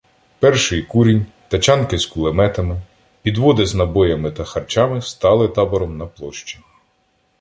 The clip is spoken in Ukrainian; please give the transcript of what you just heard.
Перший курінь, тачанки з кулеметами, підводи з набоями та харчами стали табором на площі.